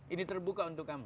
ini terbuka untuk kamu